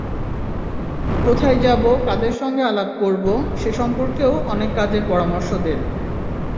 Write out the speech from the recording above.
কোথায় যাব, কাদের সঙ্গে আলাপ করব—সে সম্পর্কেও অনেক কাজের পরামর্শ দেন।